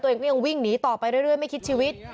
ตัวเองก็ยังวิ่งหนีต่อไปเรื่อยไม่คิดชีวิต